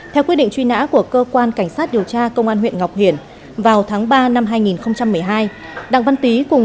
theo quy định truy nã của cơ quan cảnh sát điều tra công an huyện ngọc hiển vào tháng ba năm hai nghìn một mươi hai